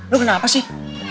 lo kenapa sih